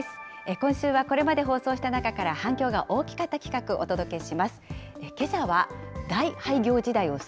今週はこれまで放送した中から、反響が大きかった企画をお届けします。